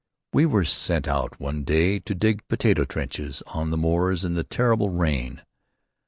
We were sent out one day to dig potato trenches on the moors in a terrible rain.